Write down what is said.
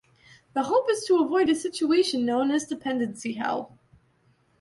The hope is to avoid a situation known as dependency hell.